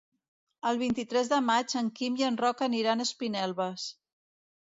El vint-i-tres de maig en Quim i en Roc aniran a Espinelves.